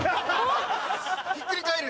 ひっくり返る。